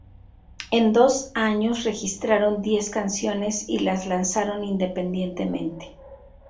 En dos años registraron diez canciones y las lanzaron independientemente.